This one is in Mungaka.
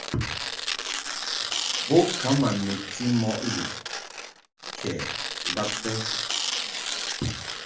Bo ka ma nebti mɔ lɨʼ kɛ ndab bə.